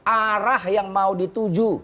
arah yang mau dituju